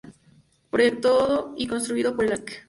Proyectado y construido por el arq.